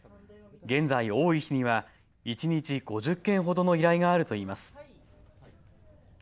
現在、多い日には一日５０件ほどの依頼があるといいます。